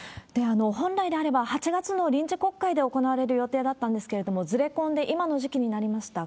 本来であれば８月の臨時国会で行われる予定だったんですけれども、ずれ込んで今の時期になりました。